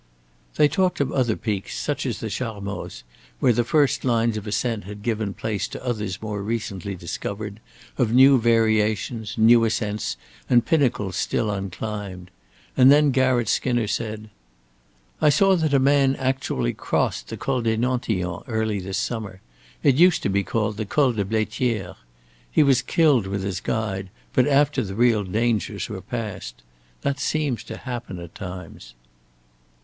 They talked of other peaks, such as the Charmoz, where the first lines of ascent had given place to others more recently discovered, of new variations, new ascents and pinnacles still unclimbed; and then Garratt Skinner said: "I saw that a man actually crossed the Col des Nantillons early this summer. It used to be called the Col de Blaitière. He was killed with his guide, but after the real dangers were passed. That seems to happen at times."